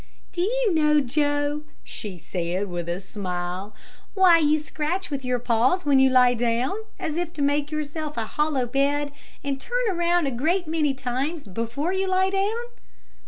"Do you know, Joe," she said with a smile, "why you scratch with your paws when you lie down, as if to make yourself a hollow bed, and turn around a great many times before you lie down?"